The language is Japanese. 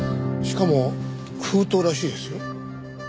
しかも封筒らしいですよ。